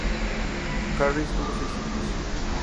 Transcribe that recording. Harris tuvo seis hijos.